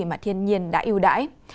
mà thiên nhiên đã ưu đãi